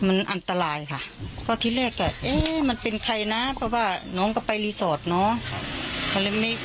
มันอันตรายค่ะเพราะที่แรกก็เอ๊ะมันเป็นใครนะเพราะว่าน้องก็ไปรีสอร์ทเนาะ